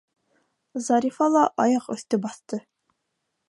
- Зарифа ла аяҡ өҫтө баҫты.